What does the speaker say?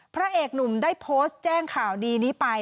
พระเอกหนุ่มได้โพสต์แจ้งข่าวดีนี้ไป